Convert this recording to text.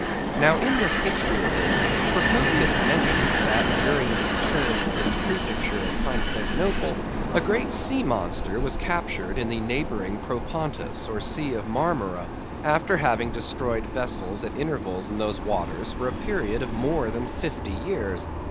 Now, in this history of his, Procopius mentions that, during the term of his prefecture at Constantinople, a great sea monster was captured in the neighboring Propontis, or Sea of Marmora, after having destroyed vessels at intervals in those waters for a period of more than fifty years.